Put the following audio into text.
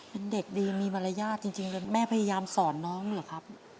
เป็นเด็กดีมีมารยาทจริงแม่พยายามสอนน้องเหรอครับ